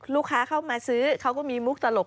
ลูกค้าเข้ามาซื้อเขาก็มีมุกตลก